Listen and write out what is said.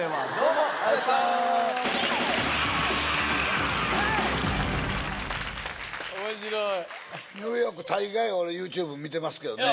面白いニューヨーク大概俺ＹｏｕＴｕｂｅ見てますけどね